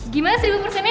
gimana seribu persennya